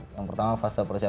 yang pertama fase persiapan